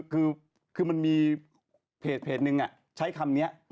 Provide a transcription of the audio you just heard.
คือมันมีเพจหนึ่งใช้คำนี้